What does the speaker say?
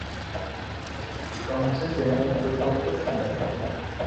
قونصل جنرل کو تو خوش ہونا چاہیے۔